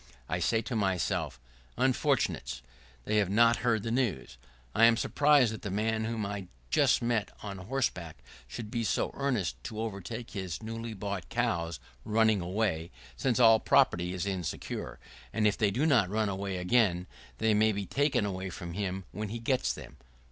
I say to myself, "Unfortunates! they have not heard the news." I am surprised that the man whom I just met on horseback should be so earnest to overtake his newly bought cows running away — since all property is insecure, and if they do not run away again, they may be taken away from him when he gets them.